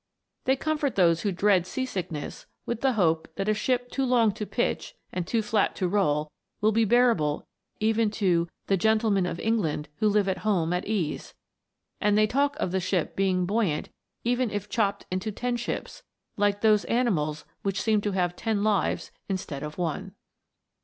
They comfort those who dread sea sickness with the hope that a ship too long to pitch and too flat to roll, will be bearable even to " the gentlemen of England who live at home at 322 THE WONDERFUL LAMP. ease ;" and they talk of the ship being buoyant even if chopped into ten ships like those animals which seem to have ten lives instead of one.